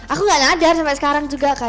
aku gak nyadar sampai sekarang juga kay